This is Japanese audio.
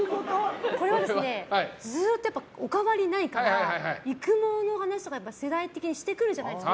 これはずっとお変わりないから育毛の話とか世代的にしてくるじゃないですか。